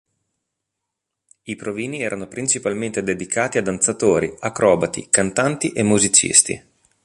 I provini erano principalmente dedicati a danzatori, acrobati, cantanti e musicisti.